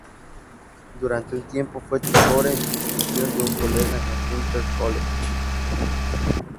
Durante un tiempo, fue tutora en sustitución de un colega en la Hunter College.